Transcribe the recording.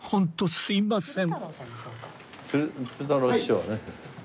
すみません。